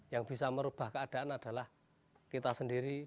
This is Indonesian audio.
yang bisa merubah keadaan adalah kita sendiri